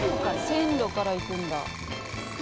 線路からいくんだ。